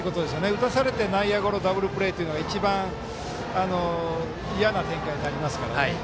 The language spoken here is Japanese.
打たされて内野ゴロダブルプレーというのが一番、嫌な展開になりますからね。